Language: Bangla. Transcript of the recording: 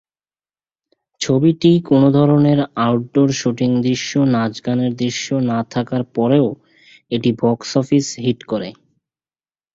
ছবিটি কোনো ধরনের আউটডোর শ্যুটিং দৃশ্য, নাচ-গানের দৃশ্য না থাকার পরেও এটি বক্স অফিস হিট করে।